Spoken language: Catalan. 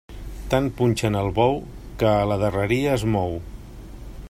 Tant punxen el bou, que a la darreria es mou.